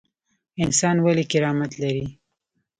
انسان ولې کرامت لري؟